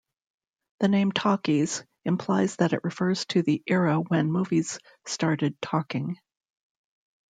The name talkies implies that it refers to the era when movies started talking.